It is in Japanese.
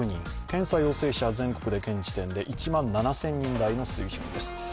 検査陽性者、全国で１万７０００人台の数字です。